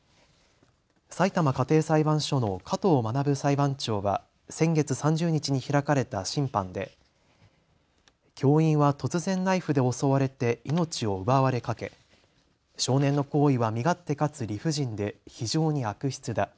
さいたま家庭裁判所の加藤学裁判長は先月３０日に開かれた審判で教員は突然ナイフで襲われて命を奪われかけ少年の行為は身勝手かつ理不尽で非常に悪質だ。